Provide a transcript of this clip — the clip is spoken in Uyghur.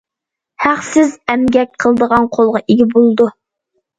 ھەقسىز ئەمگەك قىلىدىغان قۇلغا ئىگە بولىدۇ.